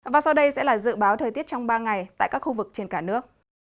và sau đây sẽ là dự báo thời tiết trong ba ngày tại các khu vực trên cả nước